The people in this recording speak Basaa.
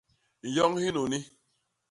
Nyoñ hinuni.